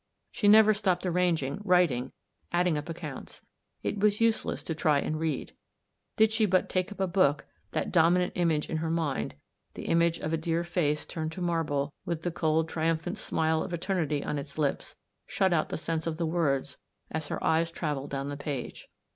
She never stopped arranging,' writing, adding up accounts. _ It was useless to try and read. Did she but take a book, that dominant image in her mind — the image of a dear face turned to marble, with the cold, triumphant smile of eternity on its lips — shut out the sense of the words as her eyes travelled down the page.